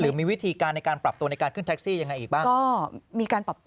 มีวิธีการในการปรับตัวในการขึ้นแท็กซี่ยังไงอีกบ้าง